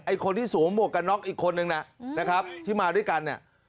คนที่สวมหมวกกันน็อกอีกคนนึงนะครับที่มาด้วยกันเนี่ย